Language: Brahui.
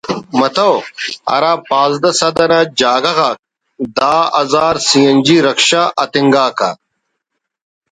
متو ہرا پانزدہ سد نا جاگہ غا دہ ہزار سی این جی رکشہ اَتنگا کہ